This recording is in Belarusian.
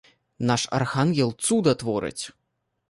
Наш архангел цуда творыць!